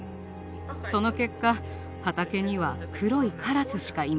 その結果畑には黒いカラスしかいません。